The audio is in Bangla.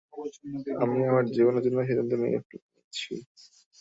আমি আমার জীবনের জন্য সিদ্ধান্ত নিয়ে নিয়েছি।